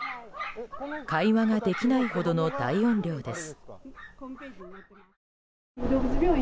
会話ができないほどの大音量です。